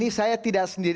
iya bukan sih